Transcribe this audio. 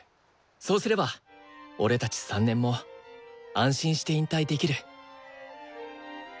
そうすれば俺たち３年も安心して引退できる。